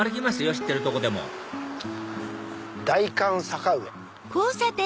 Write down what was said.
知ってるとこでも「代官坂上」。